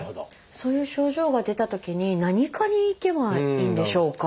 そういう症状が出たときに何科に行けばいいんでしょうか？